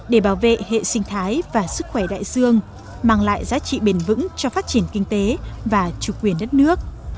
để bảo vệ hệ sinh thái và sức khỏe đại dương mang lại giá trị bền vững cho phát triển kinh tế và chủ quyền đất nước